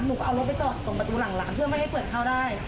หนูก็เอารถไปจอดตรงประตูหลังร้านเพื่อไม่ให้เปิดข้าวได้